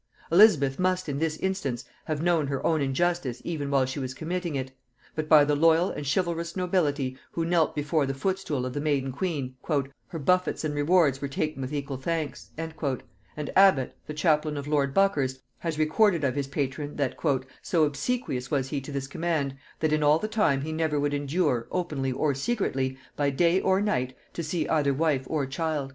Elizabeth must in this instance have known her own injustice even while she was committing it; but by the loyal and chivalrous nobility, who knelt before the footstool of the maiden queen, "her buffets and rewards were ta'en with equal thanks;" and Abbot, the chaplain of lord Buckhurst, has recorded of his patron, that "so obsequious was he to this command, that in all the time he never would endure, openly or secretly, by day or night, to see either wife or child."